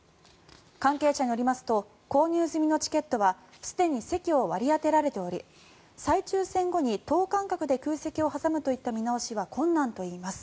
関係者によりますと購入済みのチケットはすでに席を割り当てられており再抽選後に等間隔で空席を挟むといった見直しは困難といいます。